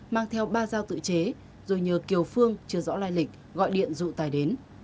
mang theo ba dao tự chế rồi nhờ kiều phương chưa rõ lai lịch gọi điện dụ tài đến